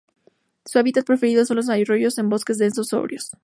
Su hábitat preferido son los arroyos en bosques densos sombríos.